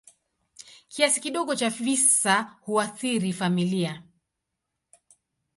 Kiasi kidogo cha visa huathiri familia.